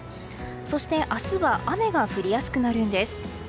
そして、明日は雨が降りやすくなるんです。